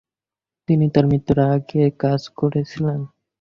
তিনি তার মৃত্যুর আগে কাজ করেছিলেন।